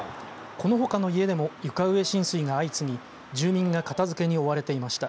このほかの家でも床上浸水が相次ぎ住民が片づけに追われていました。